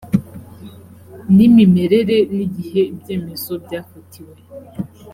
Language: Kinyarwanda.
n imimerere n igihe ibyemezo byafatiwe